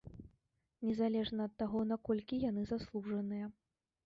Незалежна ад таго, наколькі яны заслужаныя.